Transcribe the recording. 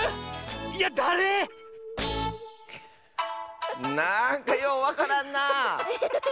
あれ⁉なんかようわからんな。